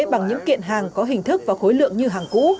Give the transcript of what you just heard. bằng những kiện hàng có hình thức và khối lượng như hàng cũ